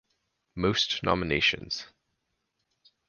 Most nominations